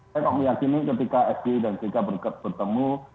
saya kok meyakini ketika sdi dan jika berketemu